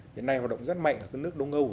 hiện nay hoạt động rất mạnh ở các nước đông âu